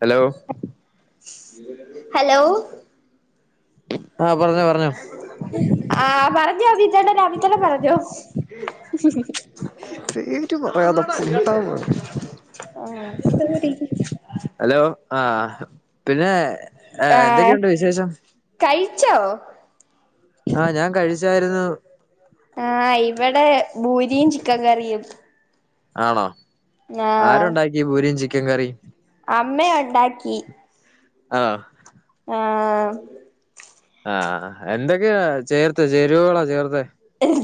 Hello... hello.... ആഹ് പറഞ്ഞോ പറഞ്ഞോ ആ.... പറ ഞബിതെടാ ഞബിതെട പറഞ്ഞോ ക്ക് പറയാതെ കേട്ടാ മതി ആ... സോറി ഹലൊ... ആ.. പിന്നേ... ആ... കഴിച്ചോ? ആ... ഞാൻ കഴിച്ചായിരുന്നു. ആഹ് ഇവടെ ഭൂരിയും ചിക്കൻകറിയും. ആണോ ആരുണ്ടാക്കി ഭൂരിയും ചിക്കൻ കറിയും? അമ്മയാ ഇണ്ടാക്കി. ആഹ് ആഹ് ആഹ് എന്തൊക്കെയാ ചേർത്ത് ചേരുവകളാ ചേർത്തെ?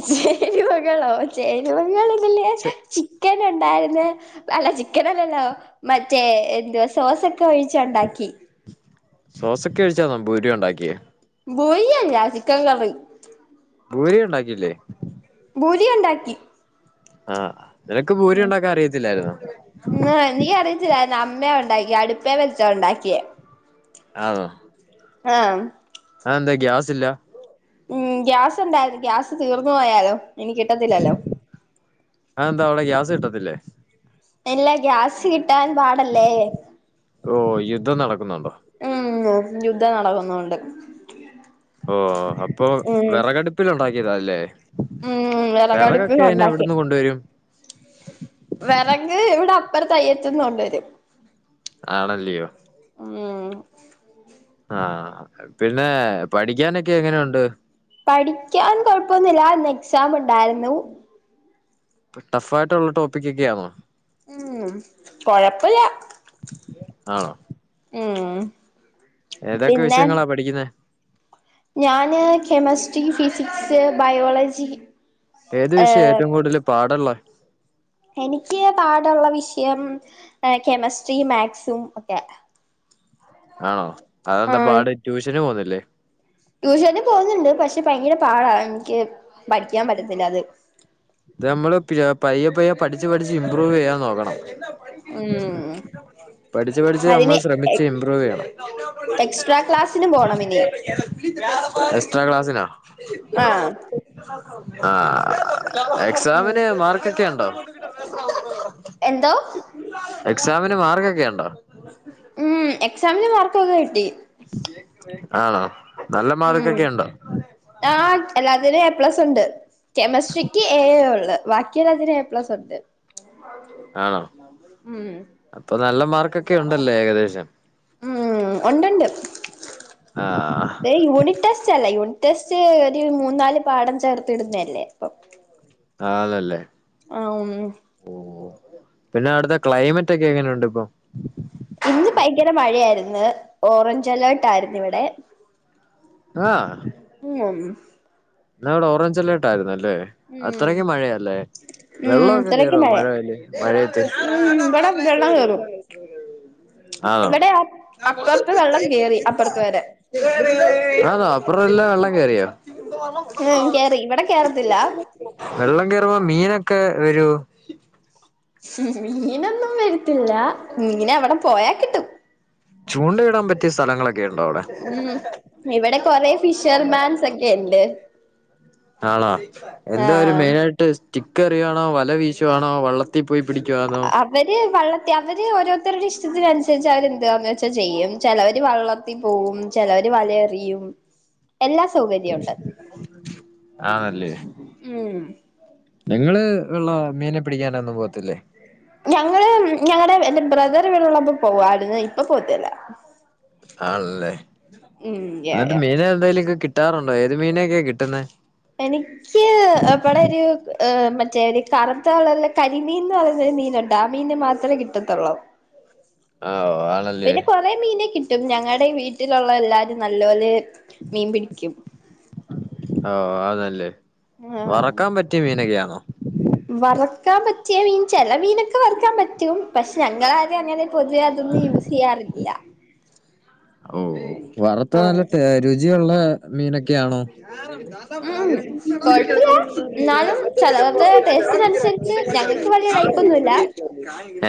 ചേരുവകളോ ചേരിവകള് [unintelligible] [unintelligible] ഒണ്ടായിരുന്നെ അല്ല ചിക്കനല്ലല്ലോ മറ്റേ എന്തുവാ സോസൊക്കെ ഒഴിച്ച് ഒണ്ടാക്കി. സോസൊക്കെ ഓഴിച്ചാന്നോ ഭൂരി ഒണ്ടാക്കിയെ? ഭൂരിയല്ല ചിക്കൻ കറി. ബൂരി ഇണ്ടാക്കിയില്ലേ? ഭൂരിയൊണ്ടാക്കി. ആഹ് നിനക്ക് ഭൂരി ഒണ്ടാക്കാൻ അറിയത്തില്ലായിരുന്നോ? നീ അറിയത്തില്ലായിരുന്നോ അമ്മയാ ഒണ്ടാക്കിയെ അടുപ്പേ വെച്ചാ ഒണ്ടാക്കിയെ. ആണോ ആഹ് അതെന്താ ഗ്യാസ്സില്ല? ഉം ഗ്യാസ് ഉണ്ടായിരുന്നു ഗ്യാസ് തീർന്ന് പോയാലോ ഇനി കിട്ടത്തില്ലല്ലോ അതെന്താ അവിടെ ഗ്യാസ് കിട്ടത്തില്ലേ എല്ലാ ഗ്യാസ് കി ട്ടാൻ പാടല്ലേ ഓഹ് യുദ്ധം നടക്കുന്നുണ്ടോ ഉം യുദ്ധം നടക്കുന്നകൊണ്ട്. ഓ അപ്പൊ വെറകടുപ്പിൽ ഉണ്ടാക്കിയതാല്ലേ ഉം വിറകടുപ്പിൽ വെറകൊക്കെ അയ്ന് എവിടുന്ന് കൊണ്ടുവരും വെറക് ഇവിടെ അപ്പുറത്ത് അയ്യത്തെന്ന് കൊണ്ട് വരും. ആണല്ലിയോ ഉം ആ പിന്നെ പഠിക്കാനൊക്കെ എങ്ങനെയുണ്ട് പഠിക്കാൻ കൊഴപ്പവൊന്നില്ല ഇന്ന് എക്സാം ഉണ്ടായിരുന്നു. ഇപ്പോ ടഫായിട്ടുള്ള ടോപ്പിക്കൊക്കെയാണോ ഉം കൊഴപ്പവില്ല. ആണോ ഉം ഏതൊക്കെ പിന്നെ വിഷയങ്ങളാ പഠിക്കുന്നേ ഞാന് കെമസ്ട്രി, ഫിസിക്സ്, ബയോളജി. ഏത് വിഷയവാ ഏഹ് ഏറ്റവും കൂടുതല് പാടുള്ളെ എനിക്ക് പാടുള്ള വിഷയം എ കെമിസ്ട്രിയും മാത്‍സും ഒക്കെ. [inaudible] ആണോ അതെന്താ ആഹ് പാട് ട്യൂഷന് പോന്നില്ലേ ട്യൂഷന് പോകുന്നുണ്ട് പക്ഷെ ഭയങ്കര പാടാ എനിക്ക് പഠിക്കാൻ പറ്റത്തില്ല അത്. ഇത് നമ്മള് പയ്യെ പയ്യെ പഠിച്ച് പഠിച്ച് ഇംമ്പ്രൂവ് ചെയ്യാൻ നോക്കണം. ഉം. പഠിച്ച് പഠിച്ച് നമ്മൾ അതിന് ശ്രമിച്ച് ഇബ്രോവ്യ്യണം എക്സ്ട്രാ ക്ലാസിന് പോണം ഇനി എക്സ്ട്രാ ക്ലാസിനാ ആഹ് ആഹ് എക്സാമിന് മാർക്കൊക്കെ ഇണ്ടോ? എന്തോ എക്സാമിന് മാർക്കൊക്കെയുണ്ടോ? മ് എക്സാമിന് മാർക്കൊക്കെ കിട്ടി ആണോ? നല്ല ഉം മാർക്കൊക്കെ ഉണ്ടോ ആഹ് എല്ലാത്തിനും എ പ്ലസ് ഇണ്ട് കെമിസ്ട്രിക്ക് എ ഉള്ളു ബാക്കി എല്ലാത്തിനും എ പ്ലസ് ഉണ്ട്. ആണോ മ് അപ്പൊ നല്ല മാർകൊക്കെ ഉണ്ടല്ലെ ഏകദേശം ഉം ഒണ്ട്ണ്ട് ആഹ് യൂണിറ്റ് ടെസ്റ്റല്ലെ യൂണിറ്റ് ടെസ്റ്റ് ഒര് മൂന്നാല് പാടം ചേർത്തിട്ന്നല്ലെ അപ്പൊ ആണല്ലെ ആഹ് ഉം പിന്നെ അവിട്ത്തെ ക്ലൈമറ്റൊക്കെ എങ്ങനുണ്ട്പ്പൊ ഇന്ന് ഭയങ്കര മഴയായിര്ന്ന് ഓറഞ്ച് അലർട്ടായിര്ന്ന് വടെ ആഹ് ഉം ന്നാവടെ ഓറഞ്ചലർട്ടായിരുന്നല്ലെ ഉം അത്രയ്ക്കും മഴയാല്ലെ ഉം വെള്ളക്കെ ഇത്രക്ക് കേറുവൊ മഴ മഴയത്ത് ഉം ഇവിടെ വെള്ളം കേറും ആന്നോ ഇവിടെ അപ്പുറത്ത് വെള്ം കേറി അപ്പുറത്ത് വരെ ആന്നോ [unintelligible] കേറിയൊ ഉം കേറി ഇവിടെ കേറത്തില്ല വെള്ളം കേറുമ്പൊ മീനൊ ക്കെ വരൂ മീനൊന്നും വര്ത്തില്ല മീനവടെ പോയ കിട്ടും ചൂണ്ടയിടാൻ പറ്റിയ സ്ഥലങ്ങളെ ഉം ഇവിടെ കൊറെ ഫിഷർമാൻസൊക്കെ ഇണ്ട് ആണോ എന്തോ ഒര് മീനെട്ട് സ്റ്റിക്കെറിയാണൊ വല വീശുവാണൊ വള്ള അവര് വള്ളത്തി അവര് ഓരോര്ത്തര്ടെ ഇഷ് ഷ്ട്ടത്തിന്സരിച്ച് അവരെന്താന്നച്ച ചെയ്യും ചെലവര് വള്ളത്തി പോവും ചെലവര് വലയെറിയും [inaudible] എല്ലാ സൗകര്യൊ ഇണ്ട് ആണല്ലെ ഉം നിങ്ങള് വെള്ള മീന്ല് ഞങ്ങള് ഞങ്ങള് എ ബ്രദർ വീട്ളപ്പൊ പോവാർന്ന് ഇപ്പൊ പോവത്തില്ല ആണല്ലെ ഉം യാ ഇന്ന്ട്ട് യാ മീനെന്തേലൊക്കെ കി കിട്ടാറുണ്ടൊ? ഏത് മീനൊക്കെ കിട്ട്ന്നെ ഏഹ്. മറ്റെ കറുത്തകറ്ള്ള കരിമീൻന്ന് പറയുന്ന മീന്ണ്ടൊ ആ മീന് മാത്രെ കിട്ടത്തുള്ളു ആഹ് പിന്നെ കൊറെ മീനെ കിട്ടും ഞങ്ങള്ടെ വീട്ടിലുള്ള എല്ലാരും നല്ലോലെ മീൻ പിടിക്കും അല്ലെ വറക്കാൻ പറ്റിയ മീനൊക്കെ ആന്നൊ വറ്ക്കാൻ പറ്റിയ മീൻ ചെല മീനൊക്കെ വറ്ക്കാൻ പറ്റും. പക്ഷെ ഞങ്ങളാരും അങ്ങനെ പൊതുവെ അതൊന്നും യൂസീയ്യാറില്ല ഒ ഒ വറുത്ത് ആഹ് നല്ല രുചിയുള്ള മീനൊക്കെയാണൊ ഉം കൊഴപ്പില്ല എന്നാലും ചെലവരുടെ ടേസ്റ്റിനനുസരിച്ച് ഞങ്ങൾക്ക് വലിയ ലൈക്കൊന്നുല്ല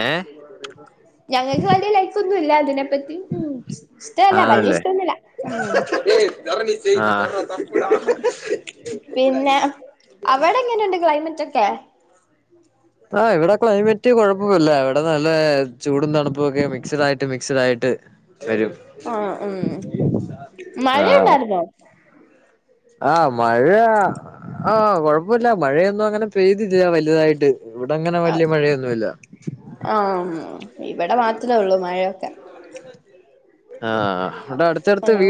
ഏഹ് ഞങ്ങക്ക് വല്യ ലൈസൊന്നുല്ല ആണല്ലെ ഇഷ്ടൊന്നുല്ല ഉം ആ പിന്നെ അവ്ടെങ്ങന്ണ്ട് ക്ലൈമറ്റൊക്കെ ആഹ് ഇവടെ ക്ലൈമറ്റ് കൊഴപ്പവില്ല ഇവിടെ നല്ല ചൂടും തണുപ്പും ഒക്കെ മിക്സ്ഡായിട്ട് മിക്സ്ഡായിട്ട് ട്ട് വരും ആഹ് ഉം ആഹ് മഴയുണ്ടായിരുന്നോ ആഹ് മഴ ആഹ് കൊഴപ്പല്ല മഴയൊന്നും അങ്ങനെ പെയ്തില്ല വല്തായിട്ട് ഇവിടങ്ങനെ വല്യ ആഹ് മഴയൊന്നുല്ല ആഹ് ഇവിടെ മാത്രെ ഉള്ളു മഴയൊക്കെ ആഹ് ആണൊ.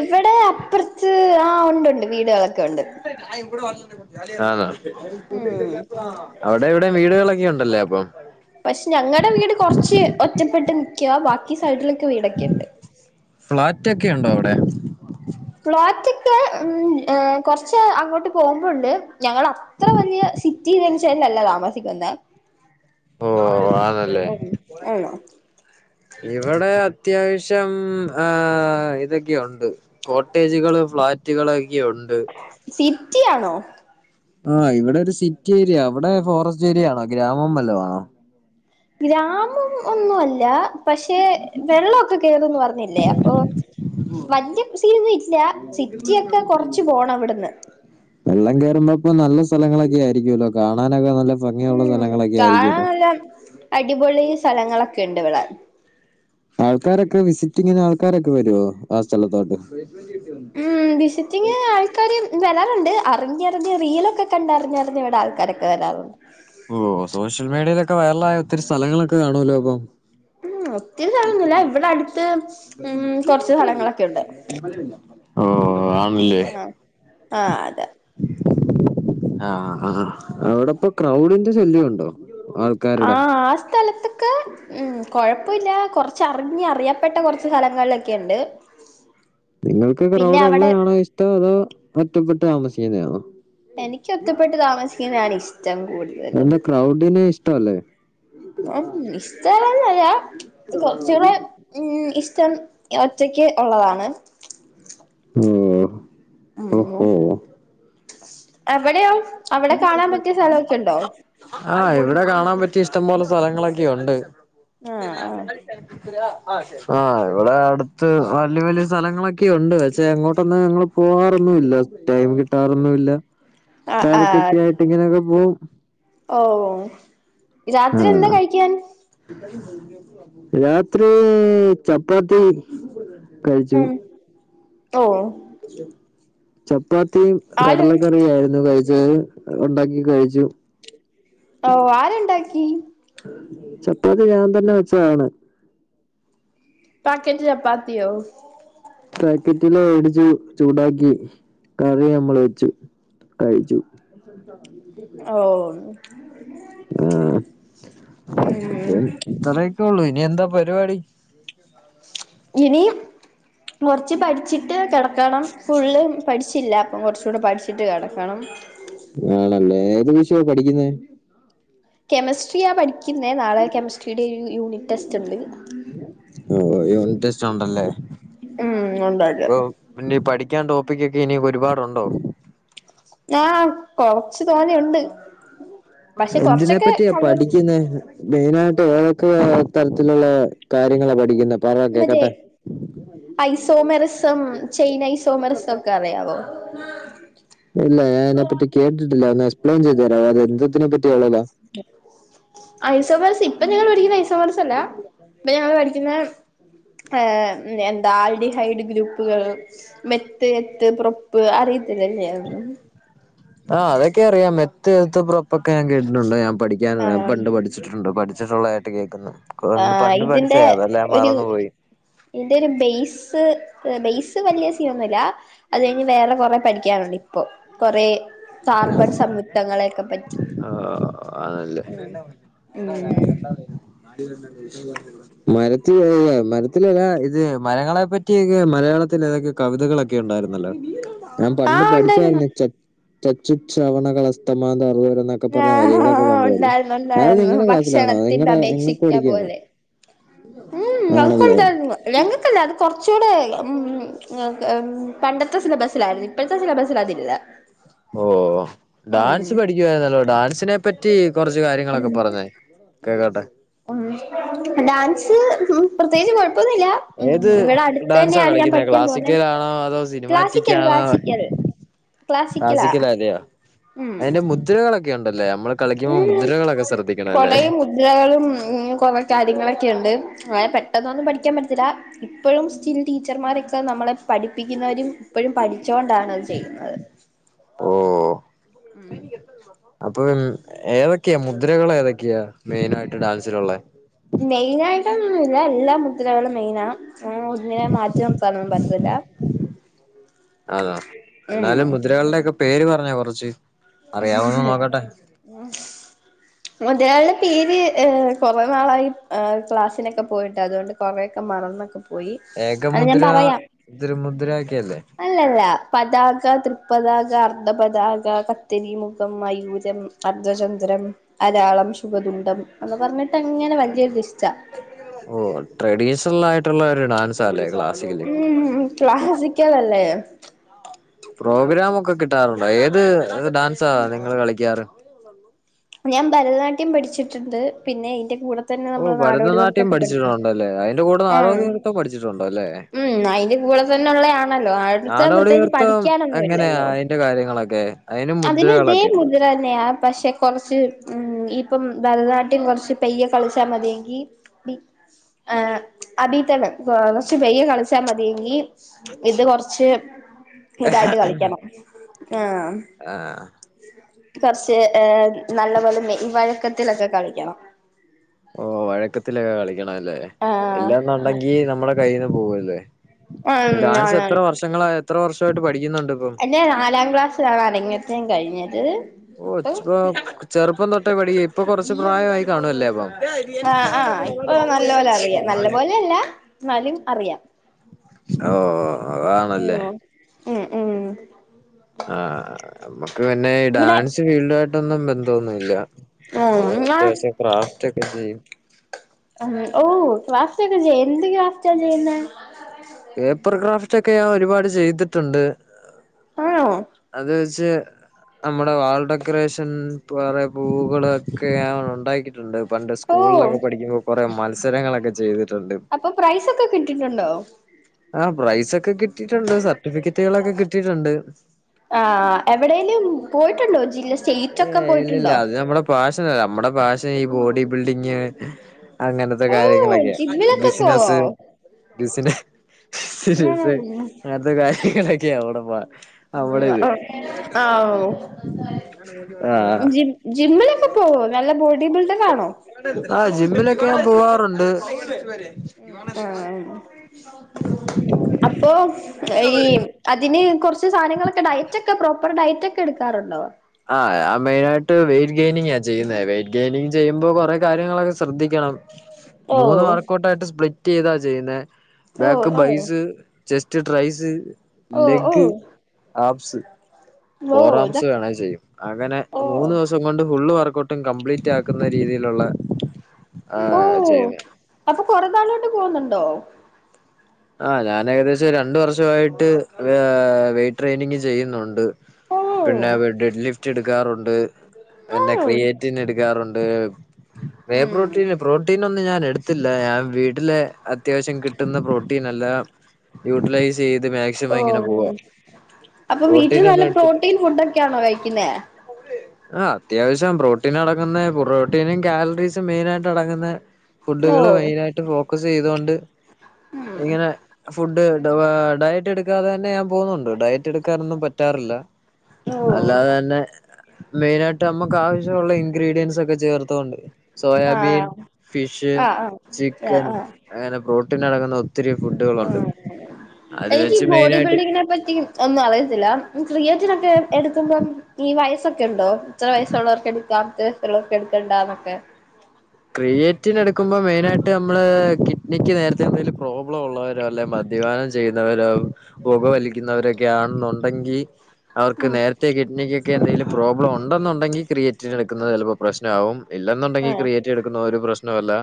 ഇവടെ അപ്പറത്ത് ആഹ് ഒണ്ടുണ്ട് വീടുകളൊക്കെ ഉണ്ട് ഇല്ല കൂ വ ഉം അവിടെ ഇവിടെ വീടുകളൊക്കെ ഉണ്ടല്ലേ അപ്പം പക്ഷെ ഞങ്ങളടെ വീട് കുറച്ച് ഒറ്റപ്പെട്ട് നിക്കുക ബാക്കി സൈഡില വീടൊക്കെ ഉണ്ട് മറ്റൊക്കെ ഉണ്ടോ അവിടെ ലോറ്റക്കെ ഉ കൊറച്ച് അങ്ങോട്ട് പോകുമ്പോണ്ട് ഞങ്ങ അത്ര വലിയ സിറ്റിനച്ചല്ലല്ലോ താമസിക്കുന്ന ഓ അതല്ലേ ആണോ ഇവിടെ അത്യാവശ്യം ഇതൊക്കെ ഉണ്ട് കോട്ടേജുകൾ ഫ്ളാറ്റുക ഉണ്ട് കുറ്റിയണോ ആഹ് ഇവിടെ ഒരു സിറ്റി ഏരിയ അവിടെ ഫോറസ്റ്റ് ഏരിയ ആണോ ഗ്രാമം വല്ല ആണോ ഗ്രാമം ഒന്നു അല്ല പക്ഷെ വെള്ളമൊക്കെ കയറന്ന് പറഞ്ഞില്ലേ അപ്പൊ വല്യ സീൻ ഇല്ല സിറ്റിയൊക്കെ കൊറച്ച പോണം ഇവിടുന്ന് വെള്ളം കയറുമ്പോപ്പോ നല്ല സ്ഥലങ്ങളൊക്കെ ആയിരിക്കുമല്ലോ കാണാ ഉം കാണൻല്ലാം അടിപൊള സ്ഥലങ്ങളൊക്കെ ഉണ്ട് വിടെ ആൾക്കാരൊക്കെ വിസിറ്റിങ്ങിന് ആൾക്കാരൊക്കെ വരുവോ ആ സ്ഥലത്തോട്ട് ഉം വിസിറ്റിങ് ആൾക്കാര് വരാറുണ്ട് അറിഞ്ഞറിഞ്ഞ് റീലൊക്കെ കണ്ടറിഞ്ഞറിഞ് ഇവിടെ ആൾക്കാരൊക്കെ വരാറുണ്ട് ഓ സോഷ്യൽ മീഡിയയിലൊക്കെ വൈറല ആയ ഒത്തിരി സ്ഥലങ്ങളൊക്കെ കാണല്ലോ അപ്പം ഉം ഒത്തിരി സഥലംന്നല്ല ഇവിടെ അടുത്ത് ഉം കൊറച്ച് സ്ഥലങ്ങളൊക്കെ ഉണ്ട് ഓ ആണല്ലേ ആഹ ആഹ അതെ ആ ആ അവിടെപ്പ ക്രൗഡിന്റെ ശല്യുണ്ടോ ആഹ് ആ സ്ഥലത്ത് ഉം കൊഴപ്പില്ല കൊറച്ചറിഞ്ഞഞ് അറിയപ്പെട്ട കുറച്ച് സ്ഥലങ്ങളിലൊക്കെയുണ്ട് നിങ്ങൾക്ക് ക്രൗഡ ഉള്ളതണോ ഇഷ്ടോ അതോ ഒറ്റപ്പെട്ട് താമസിക്കുന്നതാണോ എനിക്ക് ഒറ്റപ്പെട്ട് താമസിക്കുന്നാണ് ഇഷ്ടം കൂടുതലും എന്ത ക്രൗഡിനെ ഇഷ്ടമല്ലേ ഇഷ്ടന്നറ കൊറച്ചുകൂടെ ഉ ഷ്ടം ഒറ്റക്ക് ഉള്ളതാണ് ഓ ഉ ഓഹോ എവിടെയാവും അവിടെ കാണാൻ പറ്റിയ സ്ഥലംക്കെ ഉണ്ടോ ആഹ ഇവിടെ കാണാൻ പറ്റി ഇഷ്ടം പോലെ സ്ഥലങ്ങളൊക്കെയ ഉണ്ട് ആഹ് ആഹ് ഇവിടെ അടുത്ത് വലിയ വലിയ സ്ഥലങ്ങളൊക്കെയുണ്ട് പക്ഷെ എങ്ങോട്ടൊന്ന് ഞങ്ങൾ പോവാാറ ടൈം കിട്ടാറൊന്നുംല്ല ആഹ് ആഹ് ആഹ് രക്കൊക്കെ ആയിട്ട് ഇങ്ങനെയൊക്കെ പോകവും ഓ രാത്രി എന്താ ആഹ് കഴിക്കാൻ രാത്രി ചപ്പാത്തി കഴിച്ചു ഉം ഓ ചപ്പാത്തിയും ആര് കടലക്കറിയ ആയിരുന്നു കഴ ഉണ്ടാക്കി കഴിച്ചു ഓ ആരുണ്ടാക്കി ചപ്പാത്തി ഞാൻ തന്നെ വെച്ചതാണ് പാക്കറ്റ് ചപ്പാത്തി പാക്കറ്റില് [inaudible] ചൂടാക്കി കറി നമ്മൾ വെച്ചു കഴിച്ചു ഓ ആ അപ്പ ഇത്രയൊക്കള്ളു ഇനി എന്താ പരിപാടി ഇനി കൊറച്ച് പഠിച്ചി ട്ട് കിടക്കണം ഫുള്ള് പഠിച്ചില്ല അപ്പം കുറച്ച കൂടെ പഠിച്ചിട്ട് കിടക്കണം ആണല്ലേ ഏത് വിശോ പഠിക്കുന്നെ കെമിസ്ട്രിയാ പഠിക്കുന്നേ നാളെ കെമിസ്ട്രിയുടെ ഒരു യൂണിറ്റ് ടെസ്റ്റ് ഉണ്ട് ഓ യൂണിറ്റ് ടെസ്റ്റ് ഉണ്ടല്ലേ ഉം ഉണ്ടാക ഇപ്പ പിന്നീ പഠിക്കാ പ്പിക്കൊക്കെ ഇനി ഒരുപാടുണ്ടോ ആ കൊറച്ചു തോനെയുണ്ട് പക്ഷെ എന്തിനെ കൊറച്ചൊക്കെ പറ്റിയാ കവർ പഠിക്കുന്നെ മെയിനായിട്ട് ഏതൊക്കെ തരത്തിലുള്ള കാര്യങ്ങള പഠിക്കുന്ന പറ മറ്റേ ക്കെക്കട്ടെ ചൈനൈ സോമരസം ഒക്കെ അറിയാവോ ഇല്ല ഞാതിനെപ്പറ്റി കേട്ടിട്ടില്ല ഒന്ന് എസ്പ്ലെയിൻ ചെയ്തു തരാവോ അതെന്തോന്നിനെ പറ്റി ഐസോബസ് ഇപ്പൊ ഞങ്ങൾ പഠി ക്കുന്ന ഐസോബസ് അല്ല ഇപ്പൊ ഞങ്ങള് പഠിക്കുന്ന ഹ എന്താ ആൽഡിഹൈഡ് ഗ്രൂപ്പുകൾ മെത്ത്, എത്ത്, പ്രപ്പ് അറി ആ അതൊക്കെ അറിയാ മെ ത്ത് [inaudible] [inaudible] പ്പൊക്കെ ഞാൻ കേട്ടിട്ടുണ്ട് ഞാൻ പഠിക്കാൻ ആഹ് പണ്ട് പഠിച്ചിട്ടുണ്ട് പഠിച്ചിട്ടുള്ളതായിട്ട് കേൾക്കുന്നു കൊ പണ്ട് പഠിച്ചേ അതെല്ലാം മറന്നു പോയി എന്റെ ഒരു ബെയ്സ് ബെയ്സ് വലിയ സീനൊന്നുല്ല അത് കഴിഞ്ഞ് വേറെ കൊറെ പഠിക്കാനുണ്ട് ഇപ്പൊ കൊറെ കാർബൺ സംയുക്തങ്ങളെയൊക്കെ പറ്റി ആഹ് ആണല്ലേ ഉമ് മ് മരത്തി മരത്തിലല്ല ഇത് മരങ്ങളെ പറ്റിയക്കെ മലയാളത്തി തൊക്കെ കവിതകളൊക്കെ ഉണ്ടായിരുന്നല്ലോ ഞാൻ പണ്ട് ആഹ് ഉണ്ടായിരുന്നു പഠിച്ചായിരുന്നു ചച്ചുക്ഷവണകൾ അസ്തമാത അറ [inaudible] ക്കെ പറഞ്ഞ വരികളൊക്കെ ആഹ് പണ്ട് പ ഉണ്ടായിരുന്നു ആയത് ഉണ്ടായിരുന്നു നിങ്ങളുടെ ക്ലാസ്സിലാണോ ഭക്ഷണത്തിന്റെ നിഞക്ക് അപേക്ഷിക്ക പഠിക്കാൻ പോലെ ഉം അതൊക്കെ ഉണ്ടായിരുന്നു ഞങ്ങക്കല്ല അത് കൊറ കൊറച്ചൂടെ ഉ പണ്ടത്തെ സിലബസിലായിരുന്നു ഇപ്പോഴത്തെ സിലബസിൽ അതില്ല ഓ ഉം ഡാൻസ് പഠിക്കുവായിരുന്നല്ലോ ഡാൻസിനെ പറ്റി റ്റി കുറച്ച കാര്യങ്ങളൊക്കെ പറഞ്ഞേ കേക്കട്ടെ ഉം ഡാൻസ് പ്രത്യേകിച്ച് കുഴ ന്നുല്ല ഏത് ഇവിടെ അടുത്ത ഡാൻസാ തന്നെയാണ് ഞാൻ കളിക്കുന്നത് പഠിക്കാൻ പോന്നത് ക്ലാസിക്കലാണോ അതോ സിനിമാറ്റിക് ക്ലാസിക്കൽ ആണോ ക്ലാസിക്കൽ ക്ലാസിക്കലാ ക്ലാസിക്കൽ അല്ലയോ ഉം അതിന്റെ മുദ്രകളൊക്കെ ഉണ്ടല്ലേ നമ്മൾ ഉ കളിക്കുമ്പോൾ മുദ്രകളൊക്കെ ശ്രദ്ധിക്കണം അല്ലേ കൊടയും മുദ്രകളും കുറെ കാര്യങ്ങളൊക്കെ ഉണ്ട് അത പ പെട്ടെന്നൊന്നും പഠിക്കാൻ പറ്റല്ല ഇപ്പോഴും സ്റ്റിൽ ടീച്ചർമാരൊക്കെ നമ്മളെ പഠിപ്പിക്കുന്നവരും ഇപ്പോഴും പഠ ച്ചോണ്ടാണത് ചെയ്യുന്നത് ഓ ഉം അപ്പൊ ഏതൊക്കെയാ മുദ്രകൾ ഏതൊക്കെയാ മെയിന ആയിട്ട് ഡാൻസിലുള്ളെ മെയിന ആയിട്ടൊന്നുംല്ല എല്ലാ മുദ്രകളും മെയിന ആ ഒന്നിനെ മാറ്റി നിർത്താനൊന്നും പറ്റില്ല ല്ലാ അതാ എന്നാലും മുദ്രകളുടെ ഒക്കെ പേര് പറഞ്ഞ കുറച്ച് മുദ്രകളുടെ പേര് കുറെേ നാളായി ക്ലാസ്സിനൊക്കെ പോയിട്ട് അതുകൊണ്ട് കൊറെേയൊക്കെ മറന്നൊക്കെ പോ ഏക മുദ്ര ത്രരു മുദ്രക്കെല്ല അല്ലല്ല പതാക, ത്രിപതാക അർധപതാക കത്തരി മുഖം മയൂരം അർദ്ധചന്ദ്രം അലയാളം സുഖദണ്ടം അന്ന് പറഞ്ഞിട്ട്ങ്ങനെ വഞ്ചിയ ഇഷ്ടം ഓ ട്രഡീഷണൽ ആയിട്ടുള്ള ഒരു ഡാൻസാല്ലേ ക്ലാസിക്കൽ ഉം ക്ലാസിക്കൽ അല്ലേ പ്രോഗ്രാമ് ഒക്കെ കിട്ടാറുണ്ടോ ഏത് ഡാൻസാ നിങ്ങള് കളിക്കാറ് ഞാൻ ഭരതനാട്യം പഠിച്ചിട്ടുണ്ട് പിന്നെ അയ്‌ന്റെ കൂടെ തന്നെ ഓ നമ്മൾ നാടോടിനൃത്തം ഭരതനാട്യം ഒക്കെ പഠിച്ചിട്ടുണ്ട് പഠിച്ചിട്ടുണ്ടല്ലേ അതിന്റെ കൂടെ നാടോടി നൃത്തം പഠിച്ചിട്ടുണ്ടോ അല്ലേ മ്മ് മ്മ് അയ്‌ന് അ കൂടെ തന്നെ ഉള്ളയാണല്ലോ അടുത്ത നാടോടി പ്രത്യേകിച്ച് നൃത്തം എങ്ങനെയാ പഠിക്കാനൊന്നുല്ലല്ലോ അതിന്റെ കാര്യങ്ങളൊക്കെ അതിന് ഇതേ മുദ്രകളൊക്കെ ഉണ്ടോ മുദ്ര തന്നെയ പക്ഷെ കുറച്ച് ഉം ഇപ്പം ഭരതനാട്യം കുറച്ച് പെയ്യെ കളിച്ചാൽ മതിയെങ്കി ആ അതിത്തനം കൊറച്ച് പയ്യെ കളിച്ചാൽ മതിയെങ്കി ഇത് കൊറച്ച് ഇതായിട്ട് കളിക്കണം ആഹ് ആഹ് കുറച്ച് ഏ നല്ല പോലെ മെയ് വഴക്കത്തിലൊക്കെ കളിക്കണം ഓ വഴക്കത്തിലൊക്കെ കളിക്കണല്ലേ ആഹ് ഇല്ലന്നുണ്ടെങ്കി നമ്മുടെ കയ്യിന്ന് പോവല്ലേ ഈ ഉം ഡാൻസ് എത്ര വർഷങ്ങള എത്ര വർഷായിട്ട് പഠിക്കുന്നുണ്ട് ഇപ്പം എന്നെ നാലാം ക്ലാസ്സിലാണ് അരങ്ങേറ്റം കഴിഞ്ഞത് ഓ ഇപ്പം ഇ [unintelligible] ചെറുപ്പം തൊട്ടേ പടി ഇപ്പൊ കൊറച്ച് പ്രായമായി കാണുവല്ലേ അപ്പം ആഹ് ആഹ് ഇപ്പൊ നല്ല പോലെ അറിയാം നല്ല പോലെയല്ല എന്നാലും അറിയാം ഓ അതാണല്ലേ ഉം ഉം ഉം ആ നമ്മുക്ക് പിന്നെ ഇവിടെ ഡാൻസ് ഫീൽഡ് ആയിട്ടൊന്നും ബന്ധോന്നുല്ല ഓ ന്ന ഒക്കെ ചെയ്യും ഓ ക്ലാ അക്കെ ചെയ്യ് എന്ത് ഗാഫ്റ്റാ ചെയ്യുന്നെ പേപ്പർക്രാഫ്റ്റ് ഒക്കെ ഞാൻ ഒരുപാട് ചെയ്തിട്ടുണ്ട് ആണോ അത് ജ്ജ് നമ്മുടെ വാൾ ഡെക്കറേഷൻ കുറെ പൂകള് ഒക്കെ ഞാൻ ഉണ്ടാക്കിട്ടുണ്ട് പണ്ട് ഓ സ്കൂളിലൊക്കെ പഠിക്കുമ്പോൾ കുറെ മത്സരങ്ങളൊക്കെ ചെയ്ത് അപ്പൊ പ്രൈസ് ഒക്കെ കിട്ടീട്ടുണ്ടോ ആഹ് പ്രൈസ് ഒക്കെ കിട്ടി ട്ടിട്ടുണ്ട് സർട്ടിഫിക്കറ്റുകളൊക്കെ കിട്ടീട്ടുണ്ട് ആഹ് എവിടേലും പോയിട്ടുണ്ടോ ജില്ല സ്റ്റേറ്റ് ഏ ഒക്കെ ഇല്ലില്ല പോയിട്ടുണ്ടോ അത് നമ്മുടെ പാഷനല്ല നമ്മുടെ പാഷൻ ഈ ബോഡി ബിൽഡിങ് അങ്ങനത്തെ ഓ കാര്യങ്ങളൊക്കെയാ ജിമ്മിലൊക്കെ പോവോ ബിസിനസ് ബിസിന സ് അങ്ങനത്തെ കാര്യങ്ങളൊക്കെയാ അവിടെ പാ നമ്മടെ ഇത് ആ ആ ആഹ് ജിമ്മിലൊക്കെ പ്പോവോ നല്ല ബോ ആഹ് ജിമ്മിലൊക്കെ ഞാൻ പോവാറുണ്ട് ആ അപ്പൊ ഈ അതിന് കുറച്ച് സ സാധനങ്ങളൊക്കെ ഡയറ്റൊക്കെ പ്രോപ്പർ ഡയറ്റ് ഒക്കെ എടുക്കാറുണ്ടോ ആഹ് ആ മെയിന് ആയിട്ട് വെയിറ്റ് ഗെയിനിങ് ആ ചെയ്യുന്നത് വെയിറ്റ് ഗെയിനിങ് ചെയ്യുമ്പോ കൊറെേ കാര്യങ്ങളൊക്കെ ശ്രദ്ധിക്കണം ഓ മൂന്ന് വർക്കൗട്ട് ആയിട്ട് സ്പ്ലിറ്റ് ചെയ്താ ചെയ്യുന്നേ ഓ ബാക്ക് ഓ ബൈസ് ചെസ്റ്റ് ട്രൈസ് ഓ ഓ ലെഗ് ആബ്സ് ഓ ഫോർ ആംസ് ഇതൊക്കെ വേണേ ചെയ്യും അങ്ങനെ ഓ മൂന്ന് ദിവസം കൊണ്ട് ഫുള്ള് വർക്കൗട്ടും കംപ്ലീറ്റ് ആക്കുന്ന രീതിയിലുള്ള ഓ ആഹ് ചെയ്യുന്നേ അപ്പൊ കൊറെ നാളോണ്ട് പോകുന്നുണ്ടോ ആ ഞാൻ ഏകദേശം രണ്ട് വർഷവായിട്ട് വെ ട്രെയിനിങ് ചെയ്യുന്നുണ്ട് ഓ പിന്നെ ഡെഡ് ലിഫ്റ്റ് എടുക്കാറുണ്ട് ആ പിന്നെ ക്രിയേറ്റിൻ എടുക്കാറുണ്ട് വേ ഉം പ്രോട്ടീ പ്രോട്ടീ നൊന്നും ഞൻ എടുത്തില്ല ഞാൻ വീട്ടില് അത്യാവശ്യം കിട്ടുന്ന പ്രോട്ടീ നല്ലാ യൂട്ടിലൈസ് ചെയ്ത് മാക്സിമം ഓ ഇങ്ങനെ പോവാ അപ്പൊ വീട്ടു പ്രോട്ടീൻ ഒന്നും നല്ല എടുത്തില്ല പ്രോട്ടീൻ ഫുഡ് ഒക്കെയാണോ കഴിക്കുന്നേ ആ അത്യാവശ്യം പ്രോട്ടീൻ അടകങ്ങുന്ന പ്രോട്ടീനും കാലറീസും മെയിന് ആയിട്ട് അടങ്ങുന്ന ഓ ഫുഡുകള് മെയിൻ ആയിട്ട് ഫോക്കസ് ചെയ്തൊണ്ട് ഉം ഇങ്ങനെ ഫുഡ് ഡയറ്റ് എടുക്കാതെ തന്നെ ഞാൻ പോുന്നുണ്ട് ഡയറ്റ് എടുക്കാനൊന്നും പറ്റാറില്ല ഓ അല്ലാതെ തന്നെ മെയിനയിട്ട് നമ്മക്ക് ആശ [unintelligible] ള്ള ഇൻഗ്രീഡിയൻസ് ഒക്കെ ചേർത്തണ്ട് ആ സോയാബീൻ ഫിഷ് ആ ആ ആ ആ ചിക്കൻ അങ്ങനെ പ്രോ ട്ടീൻ ആ എനിക്ക് വെച്ച് ബോഡി മെയിനായിട്ട് ബിൽഡിങ്ങിനെ പറ്റി ഒന്നും അറിയത്തില്ല. ക്രീയേറ്റിനൊക്കെ എടുക്കുമ്പം ഈ വയസ്സൊക്ക ഉണ്ടോ ഇത്ര വയസ്സുള്ളവർക്ക് എടുക്കാം ഇത്ര വയസ്സുള്ളവർക്ക് എടുക്കണ്ടണ്ട എന്താന്നൊക്കെ? ക്രിയേറ്റിന എടുക്കുമ്പോ മെയിനായിട്ട് നമ്മള് കിഡ്നിക്ക് നേരത്തെ എന്തേലും പ്രോബ്ലം ഉള്ളവരോ അല്ലെ മദ്യപാനം ചെയ്യുന്നവര പുകവലിക്കുന്നവരൊക്കെ ആണെന്നുണ്ടെങ്കിൽ അവർക്ക് നേരത്തെ കിഡ്നിക്കക്ക്ക്കെ എന്തെിലും പ്രോബ്ലം ഉണ്ടെന്നുണ്ടെങ്കിൽ ക്രിയേറ്റ് ചെയ്യെടുക്കുന്നത് ചിലപ്പോൾ പ്രശ്നമാവും. ഇല്ലന്നുണ്ടെങ്കി ആഹ് ക്രിയേറ്റി എടുക്കുന്ന ഒരു പ്രശ്നം അല്ല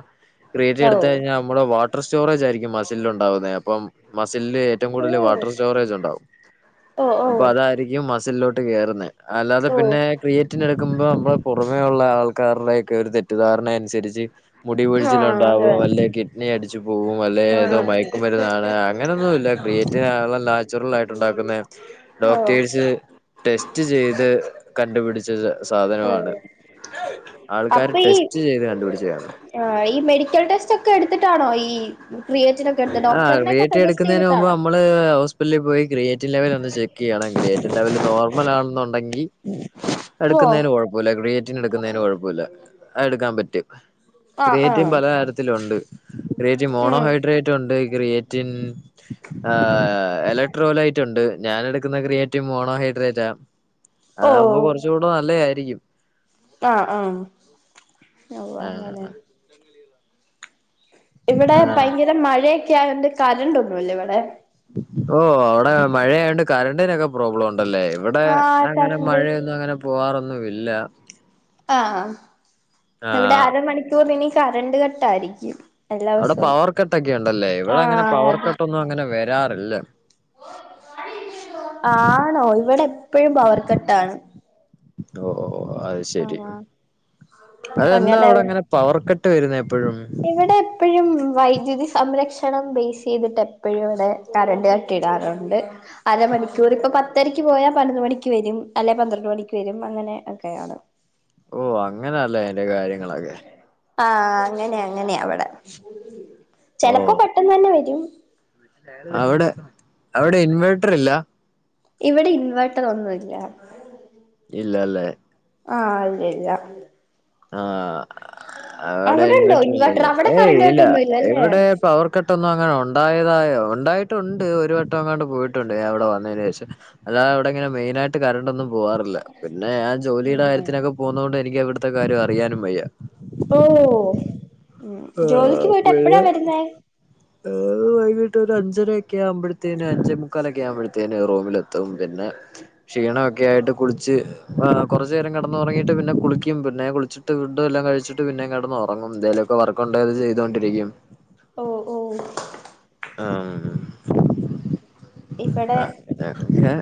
ക്രിയേറ്റി എടു ഓ ത്തുകഴിഞ്ഞാ നമ്മുടെ വാട്ടർ സ്റ്റോറേജ് ആയിരിക്കും മസിൽ ഉണ്ടാവുന്നത് അപ്പ മസിലില് ഏറ്റവും കൂടുതൽ വാട്ടർ സ്റ്റോറേജ് ഉണ്ടാവും ഓ ഓ അപ്പൊ അതായിരിക്കും മസിലിലോട്ട് കേറുന്നെ അല്ലാതെ ഓ ഓ പിന്നെ ക്രിയറ്റിന എടുക്കുമ്പോ നമ്മള് പുറമേെയുള്ള ആൾക്കാർടെ ഒക്കെ ഒരു തെറ്റിദ്ധാരണയ നുസരിച്ച് മുടി ആഹ് അതെ കൊഴിച്ചില്ണ്ടാവും അല്ലേ കിഡ്ണി അടിച്ചു പോകും അല്ലെ ഏതോ ആഹ് മയക്കും മരുന്നാണ് അങ്ങനെൊന്നും ഇല്ല. ക്രിയേറ്റവ് ആ ള്ള നാച്ചുറൽ ആയിട്ട് ഉണ്ടാക്കുന്ന ഓ ഡോക്ടേഴ്സ് ടെസ്റ്റ് ചെയ്ത് കണ്ടുപിടിച്ച ഓ സാധനമാണ്. ആൾക്കാര് ടെസ്റ്റ് ചെയ്ത ആ ഈ മെഡിക്കൽ ടെസ്റ്റ് ഒക്കെ എടുത്തിട്ടാണോ ഈ ക്രെയ്റ്റിന് ഒക്കെ എടുത്ത് ആ ഡോക്ടറിന ഒക്കെ ക്രിയേറ്റ് സജസ്റ്റ് എടുക്കുന്നതിന് മുമ്പ് ചെയ്ട്ടാണോ? നമ്മള് ഹോസ്പിറ്റലിൽ പോയി ക്രിയേറ്റീവ് ലെവൽ ഒന്ന് ചെക്ക് ചെയ്യണം ക്രിയേറ്റീവ് ലെവൽ നോർമൽ ആണെന്നുണ്ടെങ്കിൽ ഓ എടുക്കുന്നതിന് കൊഴപ്പമില്ല ക്രിയേറ്റിന് എടുക്കുന്നതിന് കൊഴപ്പമില്ല എടുക്കാൻ പറ്റും ആഹ് ക്രിയേറ്റിൻ ആഹ് പലതരത്തിലണ്ട് ക്രിയേറ്റൻ ഉം മോണോഹൈഡ്രേറ്റ്. ക്രിയേറ്റിൻ ഇലക്ട്രോ ലയിറ്റുണ്ട്. ഞാൻ എടുക്കുന്ന ക്രിയേറ്റീവ് മോണോഹൈഡ്രേറ്റാ അതാവുമ്പോ കുറച്ച് കൂടെ നല്ല തായിരിക്കും. ആഹ ആഹ ആഹ് അങ്ങനെ ഇവിടെ ആഹ് ഭയങ്കര മഴയൊക്കെ ആയോണ്ട് കറണ്ടൊന്നുല്ല ഇവിടെ ഓ അവിടെ മഴയായോണ്ട് കറണ്ടിനൊക്കെ പ്രോബ്ലം ഒണ്ട്. ല്ലേ ഇവിടെ ആഹ് അങ്ങനെ കരണ്ട് മഴയൊന്നും അങ്ങനെ പോവാറൊന്നും ഇല്ല. ആഹ ഇവിടെ ആഹ് അര മണിക്കൂർ ഇനി കറണ്ട് കട്ടായിരിക്കും. എല്ലാ അവിടെ ദിവസവും പവർ കട്ടൊക്കെ ഉണ്ടല്ലേ ഇവിടെ അങ്ങനെ ആഹ് പവർ അതെ കട്ട് ഒന്നും അങ്ങനെ വരാറില്ല. ആണോ ഇവിടെ എപ്പോഴും പവർക്കെട്ടാണ്. ഓ അത് ശെരി അതെന്താ അവിടെ അങ്ങനെ പവർക്കെ ഇവിടെ എപ്പഴും വൈദ്യുതി സംരക്ഷണം ബേസ്യ്തിട്ട് എപ്പോഴും ഇവിടെ കറണ്ട് കട്ടിടാറുണ്ട് അ [unintelligible] ഇപ്പ പത്തരക്ക് പോയാൽ പതിനൊന്ന് മണിക്ക് വരും അല്ലെ പന്ത്രണ്ട് മണിക്ക് വരും അങ്ങനെ ഒക്കെയാണ്. ഓ അങ്ങനെല്ലേ അയിന്റെ കാര്യങ്ങളൊക്കെ. ആഹ അങ്ങനെ അങ്ങനെയ അവിടെ ഓ ചെലപ്പോ പെട്ടെന്ന് തന്നെ വരും. അവിടെ അവിടെ ഇൻവേർട്ടർ ഇല്ല. ഇവിടെ ഇൻവേർട്ടർ ഒന്നുംല്ല. ഇല്ല അല്ലേ? ആഹ ഇവിടല്ല ആഹ അവിടെ ഉണ്ടോ ഇൻവേർട്ടർ ഇല്ലല്ലേ അവിടെ ഏ കറണ്ട് ഇല്ല കട്ടൊന്നുമില്ല അല്ലേ ഇവിടെ പവർ കട്ട് ഒന്നും അങ്ങെ ഉണ്ടായതായ ഉണ്ടായിട്ടുണ്ട് ഒരു വട്ടം അങ്ങാണ്ട് പോയിട്ടുണ്ട് ഞൻ അവിടെ വന്നതിനന് ശേഷം അതാ അവിടെ ഇങ്ങനെ മെയിനായിട്ട് കറണ്ട് ഒന്നും പോകറില്ല പിന്നെ ഞൻ ജോലിയുടെ കാര്യത്തിനൊക്കെ പോകുന്നോണ്ട് എനിക്ക് അവിടെ അവിടത്തെ കാര്യം അറിയാനും വയ്യ. ഓ ഉം ജോലിക്ക് പോയിട്ട് എപ്പഴാ വരുന്നേ? [unintelligible] വീട്ടിലൊരു അഞ്ചരൊക്കെ ആവുമ്പഴത്തേന് അഞ്ചേ മുക്കാലൊക്കെ ആവുമ്പഴത്തേന് റൂമിലെത്തും പിന്നെ ശീ ണൊക്കെ ഒക്കെയായിട്ട് കുളിച്ച് കൊറച് നേരം കിടന്നുറങ്ങിട്ട് പിന്നെ കുളിക്കും പിന്നെ കുളിച്ചിട്ട് ഫുഡ് എല്ലാം കഴിച്ചു ച്ചിട്ട് പിന്നെ കെടന്ന് ഒറങ്ങും എന്തെ ലൊക്കെ വർക്കൊണ്ടേൽ അത് ചെയ്തൊണ്ടിരിക്കും ഓ ഓ ആഹ മ് ഓകെ അ പിന്നെ ഹെ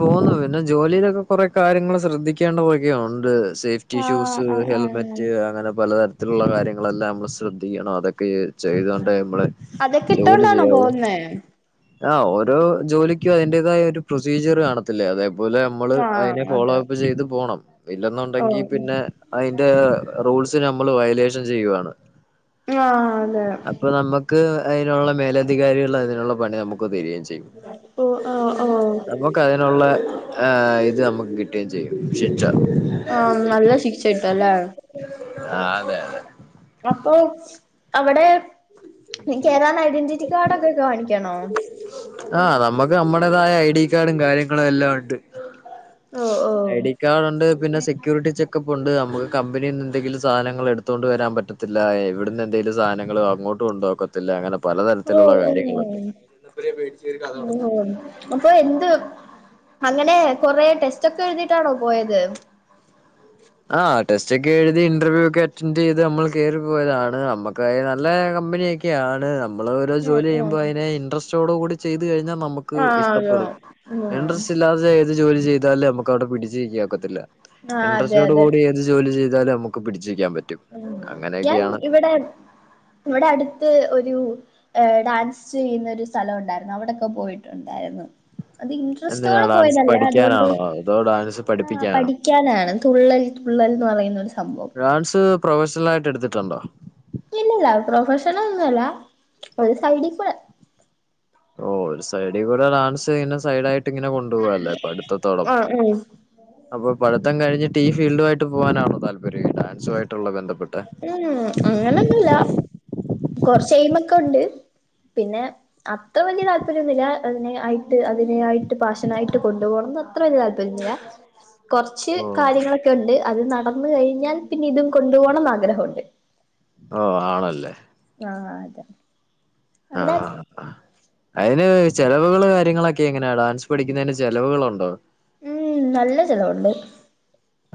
പോന്നു പിന്നെ ജോലിയിലൊക്കെ കൊറെ കാര്യങ്ങള് ശ്രദ്ധിക്കേണ്ടതൊക്കെ ഒണ്ട് സേഫ്റ്റി ആഹ് ഷൂസ് ആഹ് ആഹ് ഹെൽമെറ്റ് അങ്ങനെ പലതരത്തിലുള്ള കാര്യങ്ങളെല്ലാം നമ്മള് ശ്രദ്ധിക്കണം അതൊക്കെ ക്കെ ചെയ്തോണ്ട് നമ്മള അതൊക്കെ ജോലി ഇട്ടോണ്ടാണോ ചെയ്യാവു പോകുന്നേ അ ഓരോ ജോലിക്കും അതിന്റേതായ ഒരു പ്രൊസീജിയർ കാണത്തില്ലേ അതായ പോലെ നമ്മള് ആഹ് അതിനെ ഫോളോ അതെ അപ്പ് ചെയ്ത് പോണം ഓ ഇല്ലെന്നുണ്ടെങ്കി ഉം പിന്നെ അയിന്റെ റൂ റൂൾസ്ന് നമ്മൾ വയലേഷൻ ചെയ്യുവാണ് ആഹ അതെ അപ്പൊ നമുക്ക് അതിനുള്ള മേലധികാരികൾ അതിനുള്ള പണി നമുക്ക് തരികയും ചെയ്യും ഓ ആ ആ ള്ള ഇത് നമുക്ക് കിട്ടുകയും ചെയ്യും പക്ഷെ ആ നല്ല ശിക്ഷ കിട്ടുല്ലേ ആഹ് അതെ അതെ അപ്പൊ അവിടെ എനിക്ക് ഏതാണ് ഐഡന്റിറ്റി കാർഡ് ഒക്കെ കാണിക്കണോ ആഹ് നമുക്ക് നമ്മുടേതായ ഐ ഡി കാർഡും കാര്യങ്ങളും എല്ലാം ഉണ്ട് ഓ ഓ ഐ ഡി കാർഡ് ഉണ്ട് പിന്നെ സെക്യൂരിറ്റി ചെക്കപ്പ് ഉണ്ട് നമുക്ക് കമ്പനിയിൽ നിന്ന് എന്തെങ്കിലും സാധനങ്ങൾ എടുത്തോ കൊണ്ട് വരാൻ പറ്റത്തില്ല ഇവിടന്ന് എന്തെങ്കിലും സധനങ്ങള് അങ്ങോട്ട് കൊണ്ടുപോക്കത്തില്ല അങ്ങനെ ഓ പലതരത്തിലുള്ള ഉം കാര്യങ്ങളുണ്ട് ഉം മ് അപ്പൊ എന്ത് അങ്ങനെ കൊറെ ടെസ്റ്റൊക്കെ എഴുതിട്ടാണോ പോയത് ആ ടെസ്റ്റ് ഒക്കെ എഴുതി ഇന്റർവ്യൂ ഒക്കെ അറ്റൻഡ് ചെയ്ത് നമ്മൾ കേറിപ്പോയതാണ് നമ്മക്ക് നല്ല കമ്പ നീയൊക്കെയാണ് നമ്മ മ്മള് ഓരോ ഉം ജോലി ഉം ചെയ്യുമ്പോ അതിനെ ഇന്ട്രെസ്റ്റ് ഓട് കൂടി ചെയ്തു കഴിഞ്ഞാൽ നമുക്ക് ആഹ് ഇഷ്ടപ്പെടും ഉം ഇൻട്രസ്റ്റ് ഇല്ലാതെ ഏത് ജോലി ചെയ്താലും നമുക്ക് അവിടെ പിടിച്ച് നിക്കാനോക്കത്തില്ല ആഅതെ അതിനോട് കൂടി ഏന്ത് ജോലി ചെയ്താലും അമ്മുക്ക് പിടി ഉ ഞാൻ ഇവിടെ ഇവിടെ അടുത്ത് ഒരു ഡാൻസ് ചെയ്യുന്ന ഒരു സ്ഥലം ഒണ്ടായിരുന്നു അവടൊക്കെ പോയിട്ടുണ്ടായിരുന്നു അത് എന്തിനാ ഇൻട്രസ്റ്റോടെ ഡാൻസ് പോയതല്ല അതുകൊണ്ട് പഠിക്കാനാണോ അതോ ഡാൻസ് ആ പഠിപ്പിക്കാനോ പഠിക്കാനാണ് തുള്ളൽ തുള്ളൽ ന്ന് പറയുന്നൊരു സ ഡാൻസ് പ്രൊഫഷണൽ ആയിട്ട് എടുത്തിട്ടുണ്ടോ ഇല്ലല്ല പ്രൊഫഷണൽ ഒന്നു അല്ല ഒരു സൈഡിൽ കൂടെ ഓ ഒരു സൈഡിൽ കൂടെ ഡാൻസ് ഇങ്ങനെ സൈഡ് ആയിട്ട് ങ്ങനെ കൊണ്ടു പോവാല്ലേ ആഹ് പടുത്തതോടൊപ്പം ആഹ് അപ്പൊ പടു ത്തം കഴിഞ്ഞിട്ട് ഈ ഫീൽഡ് ആയിട്ട് പോവാനണോ താല്പര്യം ഡാൻസ ഉം അങ്ങനൊന്നുല്ല കൊറച്ചയിമൊക്കെ ഉണ്ട് പിന്നെ അത്ര വലിയ താല്പര്യൊന്നുമില്ല അതിനെ ആയിട്ട് അതിനെ ആയിട്ട് പാഷനായിട്ട് കൊണ്ടുപോണംന്ന് അത്ര വല താല്പര്യല്ല കൊറച്ച് ഓ കാര്യങ്ങളൊക്കെ ഉണ്ട് അത് നടന്ന് കഴിഞ്ഞാൽ പിന്നെ ഇതും കൊണ്ടു പോണംന്ന് ആഗ്രഹ ഉണ്ട് ഓ ആണല്ലേ ആഅതെ ആഹ അ അതിന് ചെലവുകള് കാര്യങ്ങളൊക്കെ എങ്ങനെയാ ഡാൻസ് പഠിക്കുന്നതിന് ചെലവുകളൊണ്ടോ ഉം നല്ല ചെലവൊണ്ട്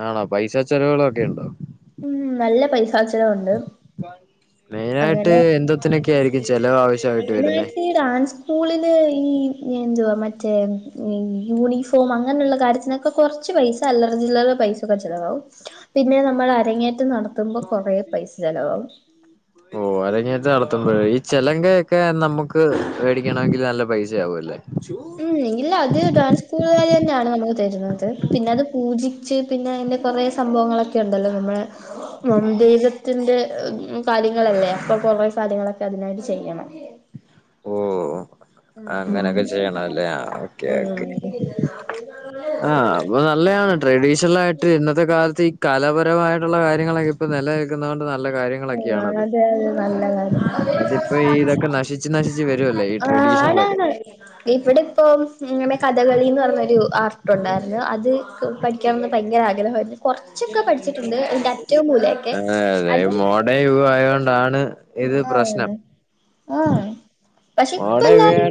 ആണോ പൈസ ചെലവുകളൊക്കെ ഉണ്ടോ ഉം നല്ല പൈസ ചെലവുണ്ട് മെയിന ആയിട്ട് എന്തത്തിനൊക്കെ ആയി മെയിന ആയിട്ട് ഈ ഡാൻസ് സ്കൂളില് ഈ എന്തുവാ മറ്റേ യൂണിഫോം അങ്ങനെയുള്ള കാര്യത്തിനൊക്കെ കുറച്ച് പൈസ അല്ലറ ചില്ലറ പൈസൊക്കെ ചെലവാകും പിന്നെ നമ്മൾ അരങ്ങേറ്റം നടത്തുമ്പോൾ കുറെേ പൈസ ചിലവാകും ഓ അതങ്ങത്ത് നടത്തുമ്പോഴ ഈ ചെലങ്ക ഒക്കെ നമുക്ക് മേടിക്കണമെങ്കിൽ നല്ല പൈസ ആവല്ലോ ല്ലെ ച്ചു ഉം ഇല്ല അത് ഡാൻസ് കൂടുക തന്നെയാണ് നമുക്ക് തരുന്നത് പിന്നെ അത് പൂജിച്ച് പിന്നെ അതിന്റെ കുറേ സംഭവങ്ങളൊക്കെ ഉണ്ടല്ലോ നമ്മടെ [unintelligible] ത്തിന്റെ കാര്യങ്ങളല്ലേ അപ്പൊ കുറവേ കാര്യങ്ങളൊക്കെ അതിനായിട്ട് ചെയ്യണം ഓ അങ്ങനൊക്കെ ഉം ചെയ്യണം അല്ലേ ആ ഓക്കെ ഉം ഓക്കെ ആ ആഹ് അപ്പൊ നല്ലതാണ് ട്രഡീഷൻ മായിട്ട് ഇന്നത്തെ കാലത്ത് ഈ കലാപരമായിട്ടുള്ള കാര്യങ്ങളൊക്കെ ഇപ്പ നില കുന്നോണ്ട് നല്ല കാര്യങ്ങളൊക്കെയണത് അതെ അതെ നല്ല കാര്യം അതിപ്പോ ഇതൊക്കെ നശിച്ചച്ച് നശിച്ചച്ച് വര ആ ആണാണാണ് ഇവിടെ ഇപ്പം ഇങ്ങനെ കഥകളിന്ന് പറഞ്ഞൊരു ആർട്ടുണ്ടായിരുന്നു അത് പഠിക്കാനൊന്ന് ഭയങ്കര ആഗ്രഹയിരുന്നു കുറച്ചൊക്കെ പഠിച്ചിട്ടുണ്ട് എന്റെ അറ്റവും മൂലയൊക്കെ അതായ മോഡ യവ ആയതൊണ്ടാണ് ആ അതേതെ ആഹ് പക്ഷെ [unintelligible] ഇപ്പ എല്ലാരും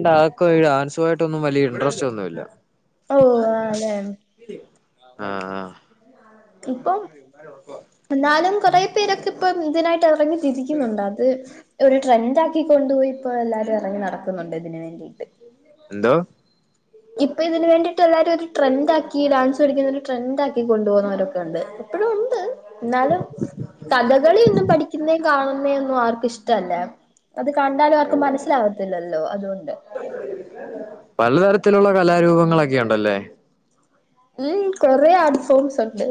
ായിട്ടൊന്നും വലിയ ഇൻട്രസ്റ്റ് ഒന്നുംല്ല ഓ അതെ ആ ആ കുറ പേരൊക്കെ ഇപ്പ ഇതിനായിട്ട് ഇറങ്ങി തിരിക്കുന്നുണ്ട് അത് ഒരു ട്രെൻറ് ആക്കി കൊണ്ടുപോയി ഇപ്പോ എല്ലാരും ഇറങ്ങി നടക്കുന്നുണ്ട് ഇതിനന് വേണ്ടിയിട്ട് എന്തോ ഇപ്പൊ ഇതിനന് വേണ്ടിയിട്ട് എല്ലാരരും ഒരു ട്രെൻഡ ആക്കി ഡാൻസ് പഠിക്കുന്നൊ ഒരു ട്രെൻഡാക്കി കൊണ്ടുപോകുന്നവരൊക്കെ ഉണ്ട് എപ്പോഴും ഉണ്ട് [inaudible] എന്നാലും കഥകളി ഒന്നും പഠിക്കുന്നേ കാണുന്ന ഒന്നും ആർക്കും ഇഷ്ടല്ലേ അത് കണ്ടാലും അവർക്ക് മനസ്സിലാവത്തില്ലല്ലോ അതുകൊണ്ട് ത്തിലുള്ള കലാരൂപങ്ങളൊക്കെ ഉണ്ടല്ലേ ഉം കൊറെ ആട്ഫോംസ്ുണ്ട്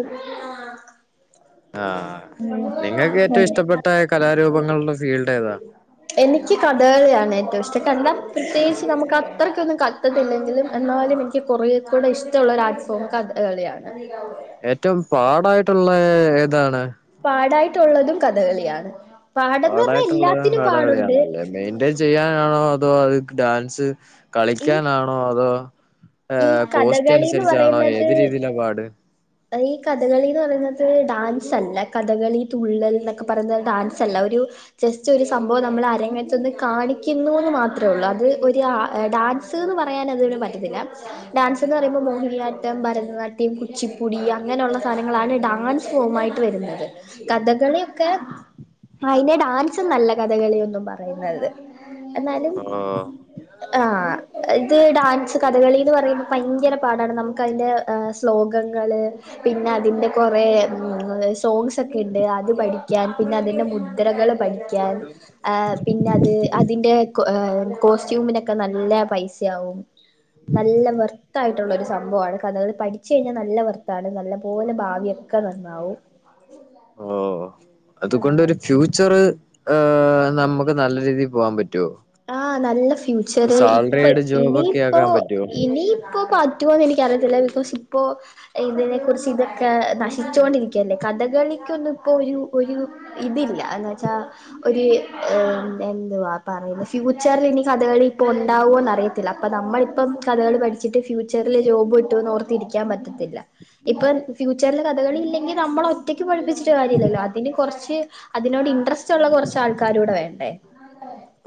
ആഹ് നിങ്ങൾക്ക് ഏറ്റവും ഇഷ്ടപ്പെട്ട കലാരൂപങ്ങളുടെ ഫീൽഡ് ഏതാ എനിക്ക് കഥകളിയാണ് ഏറ്റവും ഇഷ്ടം കണ്ടാ പ്രത്യേകിച്ച് നമുക്ക് അത്രക്കൊന്ന് ക ഇത്തില്ലെങ്കിലും എന്നാലും എനിക്ക് കുറെേ കൂടെ ഇഷ്ടള്ളൊരു ആർഫോം കഥ കളിയാണ് ഏറ്റവും പാടായിട്ടുള്ള ഏതാണ് പാടായിട്ടുള്ളതും കഥകളിയാണ് പാടന്ന് പറഞ്ഞാൽ പാടായിട്ടുള്ളവരാ എല്ലാത്തിനും പാടുണ്ട് കഥകളിയാണല്ലേ മെയിൻറ്റെയിൻ ചെയ്യാനാണോ എന്തോ അത് ഡാൻസ് ഈ കളിക്കാനാണോ അതോ ഈ ഏഹ് കോസ്റ്റ് കഥകളിന്ന് അനുസരിച്ചാണോ പറയുന്നത് ഏത് രീതിയിലാ പാട് ഈ കഥകളിന്ന് പറഞ്ഞത് ഡാൻസ്ല്ല കഥകളി തുള്ളൽ എന്നൊക്കെ പറയുന്ന ഡാൻസ് അല്ല ഒരു ജസ്റ്റ് ഒരു സംഭവം നമ്മൾ ആര അങ്ങനത്തൊന്ന് കാണിക്കുന്നു എന്ന് മാത്ര ഉള്ളൂ അത് ഒരു ഡാൻസ്ന്ന് പറയാൻ അതിനെ പറ്റത്തില്ല ഡാൻസ് എന്ന് പറയുമ്പോൾ മോഹിനിയാട്ടം ഭരതനാട്യം കുച്ചിപ്പുടി അങ്ങനെയള്ള സാധനങ്ങളാണ് ഡാൻസ് പോ ഒമായിട്ട് വരുന്നത് കഥകളി കെ ആ അതിന്റെ ഡാൻസ നല്ല കഥകളിന്നും പറയുന്നത് എന്നാലും ഓഹ് ആ ഇത് ഡാൻസ് കഥകളി എന്ന് പറയുമ്പോൾ ഭയങ്കര പാടാണ് നമുക്ക് അതിൻ്റെ ശ്ലോകങ്ങൾ പിന്നെ അതിൻ്റെ കുറെ സോങ്സ് ഒക്കെ ഉണ്ട് അത് പഠിക്കാൻ പിന്നെ അതിന്റെ മുദ്രകൾ പഠിക്കൻ അ പിന്നെത് അതിന്റെ കോസ്റ്റ്യൂമിനൊക്കെ നല്ല പൈസയാവും നല്ല വർ ഓ ആഹ് അതുകൊണ്ടൊരു ഫ്യൂച്ചർ ് നമുക്ക് നല്ല രീതിയിൽ പോകൻ പറ്റും ആ നല്ല ഫ്യൂച്ചർ ഇപ്പൊ സാലറിഡ് ജോബ് ഒക്കെ ഇനിയിപ്പോ ആക്കാൻ പറ്റുവോ ഇനിയിപ്പോ പറ്റോന്ന് എനിക്ക് എനിക്ക് റിയത്തില്ല [unintelligible] ഇപ്പോഇതിനെ കുുറിച്ച് ഇതൊക്കെ നശിച്ചു കൊണ്ടിരിക്കയല്ലേ കഥകളിക്കൊന്നുംഇപ്പോ ഒരു ഒരു ഇതില്ല എന്ന വച്ചാ ഒരു ഏ എന്തുവാ പറയ ഫ്യൂച്ചറിൽ ഇനി കഥകളിപ്പോൾ ഉണ്ടാ വോഎന്ന അറിയത്തില്ല അപ്പൾ നമ്മളിപ്പം കഥകളി പഠിച്ചിട്ട് ഫ്യൂച്ചറിൽ ജോബ് വിട്ടൂന്ന് ഓർത്തിരിക്കാൻ പറ്റത്തില്ല ഇപ്പം ഫ്യുച്ചെറിൽ കഥകളി ഇല്ലെങ്കിൽ നമ്മള ഒറ്റക്ക് പഠിപ്പിച്ചിട്ട് കാര്യമില്ലല്ലോ അതിന് കുറച്ച് അതിനോട് ഇൻട്രസ്റ്റ് ഉള്ള കുറച്ചാൾക്കാരൂടെ വേണ്ടേ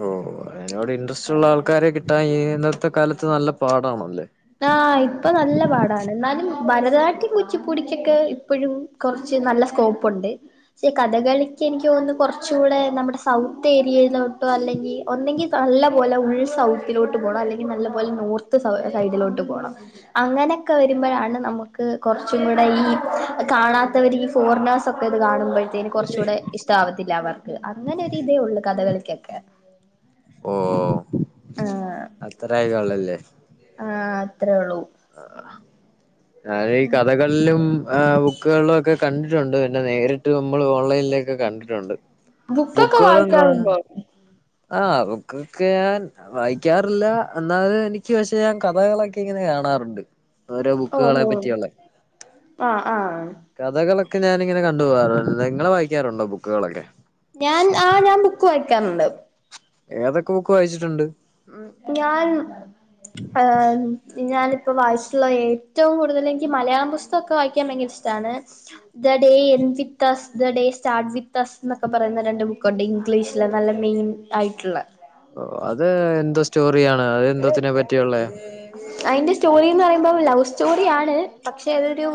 ഓ അതിനോട് ഇൻട്രസ്റ്റ് ഉള്ള ആൾക്കാരെ കിട്ടാൻ ഇന്നത്തെ കാലത്ത് നല്ല പാടാണല്ലേ ആഹ് ഇപ്പൊ നല്ല പാടാണ് എന്നാലും ഭരതനാട്യം കുച്ചിപ്പുടിക്കൊക്കെ ഇപ്പോഴും കുറച്ച് നല്ല സ്കോപ്പുണ്ട് പക്ഷേ കഥകളിക്ക് എനിക്ക് തോന്നുന്നു കുറച്ചൂടെ നമ്മുടെ സൗത്ത് ഏരിയയിലോട്ടോ അല്ലെങ്കിൽ ഒന്നെങ്കിൽ നല്ല പോലെ ഉൾ സൗത്തിലോട്ട് പോണം അല്ലെങ്കിൽ നല്ല പോലെ നോർത്ത് സൗ സൈഡിലോട്ട് പോണം അങ്ങനൊക്കെ വരുമ്പോഴാണ് നമുക്ക് കുറച്ചും കൂടെ ഈ കാണ ത്തവര് ഫോറിനാസ് ഒക്കെ ത് കാണുമ്പഴെ തേന് കുറച്ച കൂടെ ഇഷ്ട ആവത്തില്ല അവർക്ക് അങ്ങനൊരു ഇതേ ഉള്ളൂ കഥകളിക്കൊക്കെ ഓ ആഹ് അത്രായിക ഉള്ളല്ലേ ആ അത്രേ ഉള്ളൂ ആ ഞാനെ ഈ കഥകളിലും ആഹ് ബുക്കുകളിലും ഒക്കെ കണ്ടിട്ടുണ്ട് പിന്നെ നേരിട്ട് നമ്മൾ ഓൺലൈനിലൊക്കെ കണ്ടിട്ടുണ്ട് ബുക്കൊക്കെ ബുക്കുകളന്താണ് വായിക്കാറുണ്ടോ ആ ബുക്കൊക്കെ ഞാൻ വായിക്കാറില്ല എന്നത് എനിക്ക് പക്ഷേ ഞാൻ കഥകളൊക്കെ ഇങ്ങനെ കാണാറുണ്ട് ഓരോ ഓ ബുക്കുകളെ ഓ പറ്റിയുള്ള ആഹ് ആഹ് കഥകള് ഞാാനിങ്ങനെ കണ്ട് അല്ല നിങ്ങൾ വായിക്കാറുണ്ടോ ബുക്കുകളൊക്കെ ഞാൻ ആ ഞാൻ ബുക്ക് വായിക്കാറുണ്ട് ഏതൊക്കെ ബുക്ക് വായിച്ചിട്ടുണ്ട് ഉ ഞാൻ ആ ഞാനിപ്പ വായിച്ച ഏറ്റവും കൂടുതൽ എനിക്ക് മലയാളം പുസ്തകക്കെ വായിക്കാൻ ഭയങ്കര ഇഷ്ടമാണ് that the day end [unintelligible] [unintelligible] first the day start with us എന്നൊക്കെ പറയുന്ന രണ്ട് ബുക്കുണ്ട് ഇംഗ്ലീഷില് നല്ല മെയിൻ ആയിട്ടുള്ള അത് എന്തോ സ്റ്റോറിയാണ് അത് എ ന്തോത്തിനെ പറ്റിയുള്ളെ അതിന്റെ സ്റ്റോറീന്ന് പറയുമ്പോ ലവ് സ്റ്റോറി ആണ് പക്ഷെ അതൊരു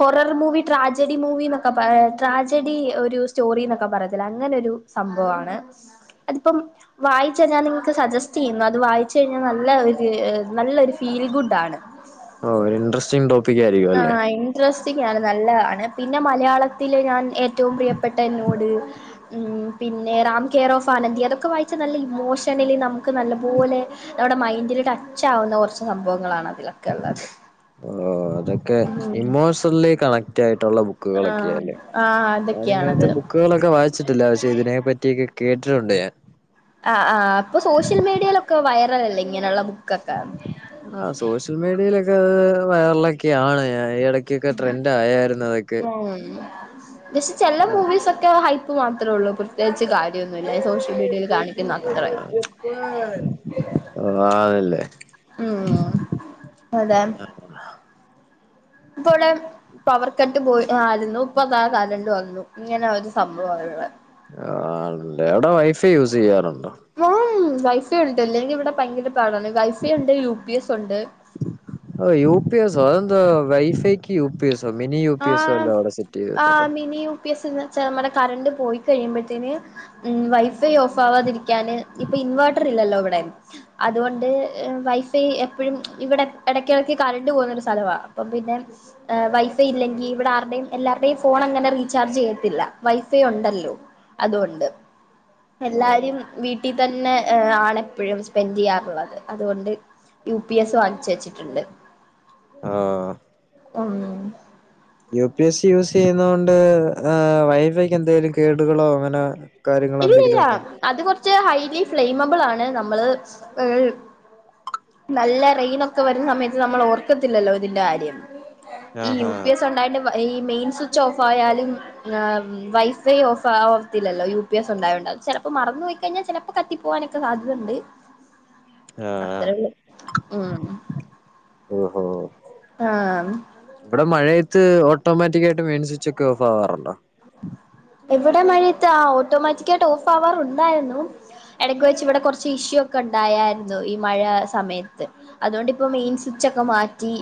ഹൊറർ മൂ മൂവീ ട്രാജഡി മൂവീന്നക്കാ പ ട്രാജഡി ഒരു സ്റ്റോറി എന്നൊക്കെ പറയത്തില്ല അങ്ങനെ ഒരു സംഭവമാണ് അതിപ്പം വായിച്ച ഞാൻ നിങ്ങക്ക് സജസ്റ്റ് ചെയ്യുന്നു അത് വായിച്ച കഴിഞ്ഞാൽ നല്ല ഒരു നല്ലൊരു ഫീൽ ഗുഡ് ആണ് ഓ ഒരു ഇന്ട്രെസ്റ്റിംഗ് ടോ ആഹ ഇൻട്രസ്റ്റ് റ്റിംങ്ങാണ് നല്ല പിന്നെ മലയാളത്തില് ഞാൻ ഏറ്റവും പ്രിയപ്പെട്ട എന്നോട് ഉം പിന്നെ റാം കെയർ ഓഫ് ആനന്ദി അതൊക്കെ വായിച്ചാൽ നല്ല ഇമോഷണലി നമുക്ക് നല്ല പോലെ നമ്മുടെ മൈൻഡിൽ ടച്ച് ആവുന്ന കുറച്ച് സംഭവങ്ങളാണ് അതിലൊക്കെ ഉള്ളത് ന്ക്കെ ഇമോഷണലി കണക്ട് ആയിട്ടുള്ള ആഹ് ബുക്കുകളൊക്കെയല്ലേ ആഹ് ആദ്യം ഇങ്ങനത്തെ അതൊക്കെയാണത് ബുക്കുകളൊക്കെ വായിച്ചിട്ടില്ല പക്ഷെ ഇതിനെ പറ്റിയൊക്കെ കേട്ടിട്ടുണ്ട് ഞാൻ ആ ആ അപ്പൊ സോഷ്യൽ മീഡിയയിലൊക്കെ വൈറല അല്ലേ ഇങ്ങനെയുള്ള ബുക്ക്‌ ആ സോഷ്യൽ മീഡിയയിലൊക്കെ വൈറലൊക്കെയാണ് ഇടക്കൊക്കെ ട്രെൻഡ് ആയായിരുന്നു അതൊക്കെ ജസ്റ്റ് ചെല ആ മൂവീസ് ഒക്കെ ഹൈപ്പ് മാത്രമേ ഉള്ളൂ പ്രത്യേകിച്ച് കാര്യം [unintelligible] സോഷ്യൽ മീഡിയെല് കാണിക്കുന്ന അത്രേം [unintelligible] അതല്ലേ ഉം അതെ ഇപ്പോയ് പവർ കട്ട് പോയി ആയിരുന്നു ഇപ്പത കരണ്ട് വന്നു ഇങ്ങനെ ഒരു സംഭവം [unintelligible] ആണല്ലേ അവിടെ വൈഫൈ യൂസ് ചെയ്യാറുണ്ടോ വൈഫൈ ഉണ്ട് അല്ലെങ്കി ഇവിടെ ഭയങ്കര പാടാണ് വൈഫൈ ഉണ്ട് യു പി എസ് ഉണ്ട് ഓ യു പി എസോ അതെന്താ വൈഫൈക്ക് യു പി എസോ മിനി യു പി ആ എസോ അല്ലോ അവിടെ സെറ്റ് ആ ചെയ്തിട്ടുണ്ടോ മിനി യു പി എസ് എന്ന് വച്ചാ നമ്മടെ കരണ്ട് പോയി കഴിയുമ്പതേന് ഉം വൈഫൈ ഓഫ് ആവാതിരിക്കൻ ഇപ്പ ഇൻവേർട്ടർ ഇല്ലല്ലോ ഇവിടെ അതുകൊണ്ട് വൈഫൈ എപ്പോഴും ഇവിടെ ഇടക്കിടയ്ക്ക് കറണ്ട് പോകുന്നൊരു സ്ഥലവാ അപ്പം പിന്നെ വൈ ഇല്ലെങ്കിൽ ഇവിടെ ആർടെയും എല്ലാവരുടെയും ഫോൺ അങ്ങനെ റീചാർജ് ചെയ്യത്തില്ല വൈഫൈ ഉണ്ടല്ലോ അതൊണ്ട് ഓ എല്ലാരും വീട്ടിൽ തന്നെ ഏ ആണ് എപ്പോഴും സ്പെൻഡ്‌ ചെയ്യാറുള്ളത് അതുകൊണ്ട് യു പി എസ് വാങ്ങിച്ച് വെച്ചിട്ടുണ്ട് ആ ഉം U P S C use ചെയ്യുന്ന കൊണ്ട് വൈഫൈക്ക് എന്തെലും കേടുകളോ അങ്ങനെ കാര്യങ്ങളോ ഇല്ലല്ല എന്തെങ്കിലും ഉണ്ടോ അത് കുറച്ച് ഹൈലി ഫ്ലെയിമബിൾ ആണ് നമ്മള് നല്ല റെയിന് ഒക്കെ വരുന്ന സമയത്ത് നമ്മൾ ഓർക്കത്തില്ലല്ലോ ഇതിന്റെ കാര്യം ഈ യു ആഹാ പി എസ് ഉണ്ടായിട്ട് ഈ മെയിൻ സ്വിച്ച് ഓഫ് ആയാലും വൈഫൈ ഓഫ് ആവത്തില്ലല്ലോ യു പി എസ് ഉണ്ടായോണ്ട് ചിലപ്പോ മറന്നു പോയിക്കഴിഞ്ഞാൽ ചിലപ്പോ കത്തി പോകാനൊക്കെ സാധ്യതുണ്ട് ആ ആ ആ ഓഹോ ആ [unintelligible] ഓട്ടോമാറ്റിക്കാട്ട് മെയിൻ സ്വിച്ച് ഒക്കെ ഓഫ് ആവാറുണ്ടോ ഇവിടെ മഴത്ത് ഓട്ടോമാറ്റികയിട്ട് ഓഫ് ആവറുണ്ടായിരുന്നു ഇടയ്ക്ക് വെച്ച് ഇവിടെ കുറച്ച് ഇഷ്യൂ ഒക്കെ ഉണ്ടായായിരുന്നു ഈ മഴ സമയത്ത് അതുകൊണ്ടിപ്പോ മെയിൻ സ്വിച്ച് ചോക്കെ മാറ്റി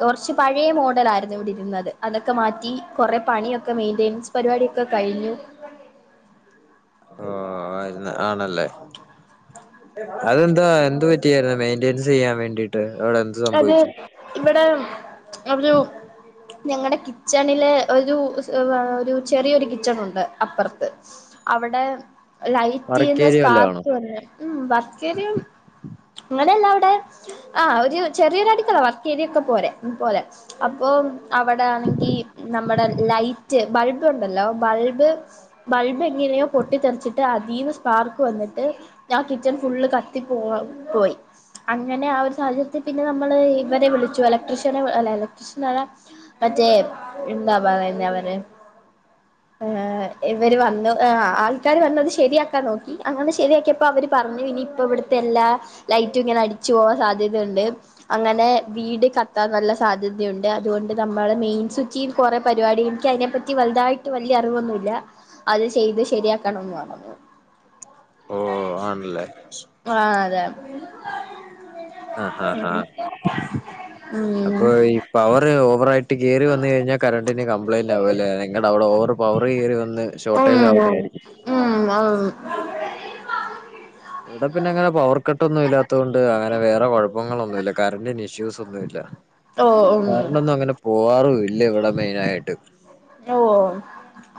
കുറച്ച് പഴെ മോഡലായിരുന്നു ഇവിടെ ഇരുന്നത് അതൊക്കെ മാറ്റി കുറെ പണി ഒക്കെ മെയിന്റനൻസ് പരിപാടിയൊക്കെ കഴിഞ്ഞു ഓ ആയിരുന്ന ആണല്ലേ അതെന്താ എന്ത് പറ്റിയായിരുന്നു മെയിന്റനൻസ് ചെയ്യാൻ വേണ്ടീട്ട് അത് ഇവിടെ ഒരു ഞങ്ങളടെ കിച്ചണിലെ ഒരു ഒരു ചെറിയൊരു കിച്ചണുണ്ട് അപ്പുറത്ത് അവിടെ വർക്ക് ലൈറ്റിന്ന് ഏരിയ വല്ലോം ആണോ സ്പാർക്ക് വന്ന് ഉം വർക്കേരിയും ഇങ്ങനല്ല അവിടെ ആ ഒരു ചെറിയൊരു അടിക്കള വർക്കേരിയൊക്കെ പോരെ പോലെ അപ്പോ അവിടെ ആണെങ്കി നമ്മടെ ലൈറ്റ് ബൾബിണ്ടല്ലോ ബൾബ് ബൾബ് എങ്ങനെയോ പൊട്ടിത്തെറിട്ട് അതി സ്പാർക്ക് വന്നിട്ട് ഞാൻ കിച്ചൺ ഫുള്ള് കത്തി പോവാ പോയി അങ്ങനെ ആ ഒരു സാഹചര്യ തി പിന്നെ നമ്മള് ഇവരെ വിളിച്ചു ഇലക്ട്രീഷ്യനെ ഇലക്ട്രീഷ്യനയ മറ്റേ എന്താ പറ [unintelligible] അവരെ ആ ഇവര് വന്നു ആൾക്കാര് വന്ന് അത് ശരിയാക്കാൻ നോക്കി അങ്ങനെ ശരിയാക്കിപ്പോ അവര് പറഞ്ഞതി അപ്പം ഇവിടുത്തെ എല്ലാ ലൈറ്റും ഇങ്ങനെ അടിച്ചു പോവാൻ സാധ്യത ണ്ട് അങ്ങനെ വീട് കത്താനുള്ള സാധ്യതയുണ്ട് അതുകൊണ്ട് നമ്മള് മെയിൻ സ്വിച്ചി [unintelligible] എന്താ പരിപാടി എനിക്ക് അതിനെപ്പറ്റി വലിയായിട്ട് ട്ടു വലിയ അറിവൊന്നുല്ല അത് ചെയ്ത് ശെരിയാക്കണമെന്ന് പറഞ്ഞു ഓഹ് ആണല്ലേ ആഹ് അതാണ് ആഹ് ആഹ് ആഹ് ഉം അപ്പൊ ഈ പവറെ ഓവറായിട്ട് കേറി വന്നുകഴിഞ്ഞാൽ കറണ്ടിനു കംപ്ലയിന്റ് ആവുമല്ലേ നിങ്ങളുടെ അവിടെ ഓവർ പവറു കേറി വന്ന് ഒന്ന് ഉം ഷോട്ടാജ് ആവുന്നെ ആയിരിക്കും ഉം ഇവിടെ പിന്നെ അങ്ങനെ പവർ കട്ട് ഒന്നും ഇല്ലാത്ത കൊണ്ട് അങ്ങനെ വേറെ കുഴപ്പങ്ങളൊന്നും ഇല്ല കറന്റിന്റെ ഇഷ്യൂസ് ഒന്നും ഇല്ല ഓ ഉം കറന്റ് ഒന്നും അങ്ങനെ പോവാറുമില്ല ഇല്ല ഇവിടെ മൈനായിട്ടു ഓഹ്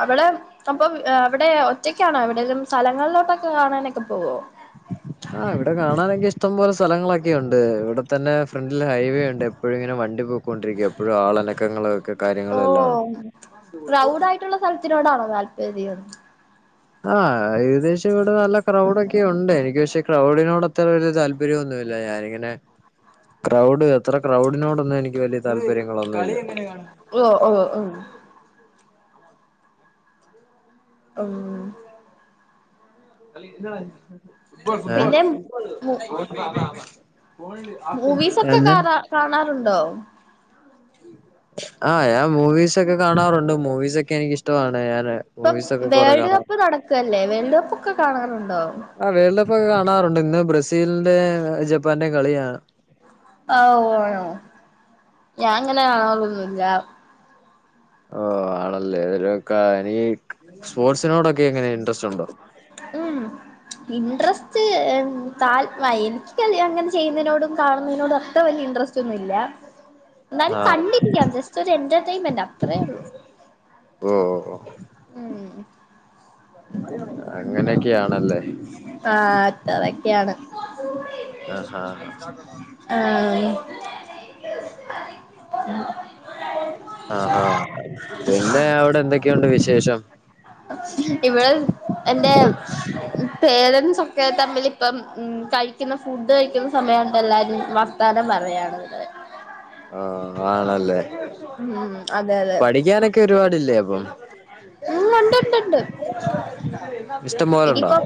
അവള് അപ്പൊ അവിടെ ഒറ്റക്കാണോ എവിടെലും സ്ഥലങ്ങളിലോട്ടൊക്കെ കാണാനൊക്കെ പോവോ ഉ ആഹ് ഇവിടെ കാണാനൊക്കെ ഇഷ്ടം പോലെ സ്ഥലങ്ങളൊക്കെ ഉണ്ട് ഇവിടെത്തന്നെ ഫ്രണ്ടിൽ ഹൈവേ ഉണ്ട് എപ്പോഴും ഇങ്ങനെ വണ്ടി ണ്ടി പൊക്കൊണ്ടിരിക്കും എപ്പോഴും ആള് അനക്കങ്ങളും ഒക്കെ ഓ കാര്യങ്ങളും എല്ലാം ഉണ്ട് ക്രൗഡ് ആയിട്ടുള്ള [unintelligible] ആഹ് ഏകദേശം ഇവിടെ നല്ല ക്രൗഡൊക്കെ ഉണ്ട് എനിക്ക് പക്ഷേ ക്രൗഡിനോട് അത്ര ഒരു താല്പര്യ താല്പര്യമൊന്നുമില്ല ഞാൻ ഇങ്ങനെ ക്രൗഡ് അത്ര ക്രൗഡിനോടന്നും എനി ക്ക് വലിയ താല്പര്യങ്ങളൊന്നുമില്ല ഓ ഓ ഓ ഉം പിന്നെ മൂ ആഹ് മൂവീസൊക്കെ എന്നെ കാണ കാണാറുണ്ടോ ആഹ് ഞാൻ മൂവീസ് ഒക്കേ കാണാറുണ്ട് മൂവീസ് ഒക്കെ എനിക്ക് ഇഷ്ടമാണ് ഞാന് ഇപ്പം മൂവീസ് ഒക്കെ കൊറെ വേൾഡ് കപ്പ് കാണാറുണ്ട് നടക്കല്ലേ വേൾഡ് കപ്പ് ഒക്കെ കാണാറു ആ വേൾഡ് കപ്പ് ഒക്കെ കാണാറുണ്ട് ഇന്ന് ബ്രസീലിന്റെ ജപ്പാൻന്റേം കളിയാണ് ആ ഓ ആണോ ഞാൻ ഇങ്ങനെ കാണാറൊന്നുമില്ല ഓ ആണല്ലേ [unintelligible] സ്പോർട്സിനോടക്കെ എങ്ങനെ ഇൻട്രസ്റ്റ് ഉണ്ടോ ഉം ഇൻട്രസ്റ്റ് തൽ എനിക്ക് അങ്ങനെ ചെയ്യുന്നതിനോടും കാണുന്നതിനോടും അത്ര വലിയ ഇൻട്രസ്റ്റ് സൊന്നുമില്ലാ എന്നാലും ആഹ് കണ്ടിരിക്കാം ജസ്റ്റ് ഒരു എന്റർടൈമെന്റ് അത്രേ ഉള്ളു ഓഹ് ഓഹ് ഓഹ് അങ്ങനെയൊക്കെയാണല്ലേ? ആ അത്രക്കെയാണ് ആഹ് ഉ ആഹ് ആഹ് പിന്നെ അവിടെ എന്തൊക്കെയുണ്ട് വിശേഷം ഇവിടെ എന്റെ പേരന്റസ് ഒക്കെ തമ്മിൽ ഇപ്പം കഴിക്കുന്ന ഫുഡ് കഴിക്കുന്ന സമയണ്ട് എല്ലാരും വർത്താനം പറയാണ് ഇവിടെ ആഹ് ആണല്ലേ ഉം അതെ അതെ പഠിക്കാനൊക്കെ ഒരുപാടില്ലേ അപ്പം ഉം അ ഇനി ഇപ്പോ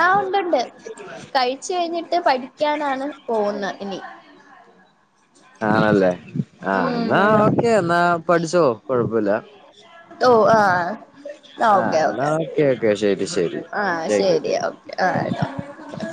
ആഹ് ഉണ്ട് ഉണ്ട് കഴിച്ച് കഴിഞ്ഞിട്ട് പഠിക്കാനാണ് പോകുന്നെ ഇനി ആണല്ലേ ആഹ് ഉം എന്നാ അതെ ഓക്കെ എന്നാ പഠിച്ചോ കൊഴപ്പില്ല ഓ ആഹ് ആ ആഹ് ഓക്കെ എന്നാ ഓക്കേ ഓക്കെ ഓക്കെ ശരി ശരി ആഹ് താങ്ക് യു ശരിയാ താങ്ക് യു ഓക്കേ ആട്ടോ